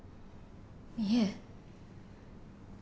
いえ。